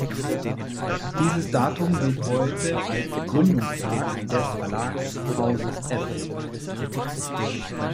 Dieses Datum gilt heute als Gründungstag des Verlagshauses „F.